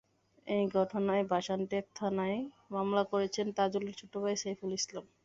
এ ঘটনায় ভাষানটেক থানায় মামলা করেছেন তাজুলের ছোট ভাই সাইফুল ইসলাম।